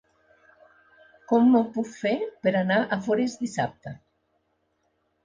Com ho puc fer per anar a Forès dissabte?